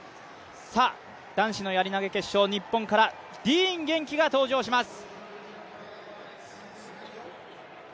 さあ、男子のやり投決勝、日本からディーン元気が登場します。